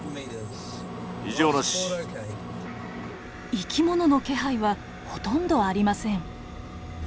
生き物の気配はほとんどありません。